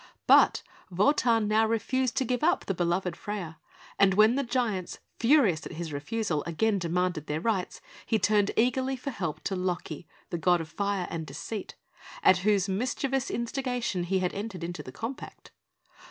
But Wotan now refused to give up the beloved Freia, and when the giants, furious at his refusal, again demanded their rights, he turned eagerly for help to Loki, the god of Fire and Deceit, at whose mischievous instigation he had entered into the compact.